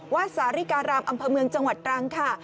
สาริการามอำเภอเมืองจังหวัดตรังค่ะ